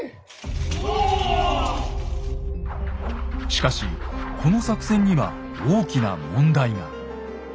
しかしこの作戦には大きな問題が。